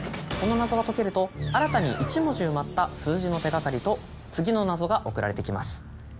この謎が解けると新たに１文字埋まった数字の手がかりと次の謎が送られてきます。